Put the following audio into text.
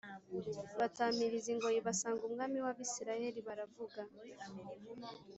batamiriza ingoyi basanga umwami w’Abisirayeli baravuga